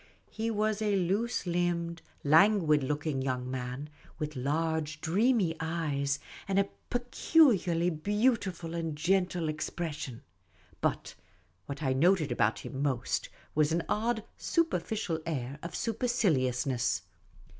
He was a loose limbed, languid looking young man, with large, dreamy eyes, and a peculiarly beautiful and gentle expression ; but what I noted about him most was an odd superficial air of superciliousness.